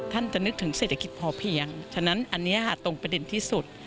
ท่านจะนึกถึงเศรษฐกิจพอเพียงฉะนั้นอันนี้ค่ะตรงประเด็นที่สุด